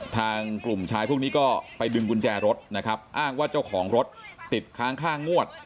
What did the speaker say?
ทางกลุ่มชายพวกนี้ก็ไปดึงกุญแจรถนะครับอ้างว่าเจ้าของรถติดค้างค่างวด